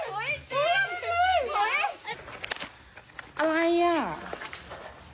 อุ้ยจริงพี่แม่รู้ยังไง